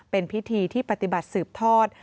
เป็นพิธีที่ปฏิบัติสืบทอด